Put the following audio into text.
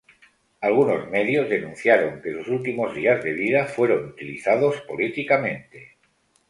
Algunos medios denunciaron que sus últimos días de vida fueron utilizados políticamente.